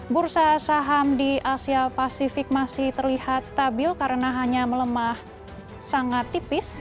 bursa saham di asia pasifik masih terlihat stabil karena hanya melemah sangat tipis